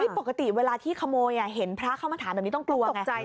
ปกติเวลาที่ขโมยเห็นพระเข้ามาถามแบบนี้ต้องกลัวไง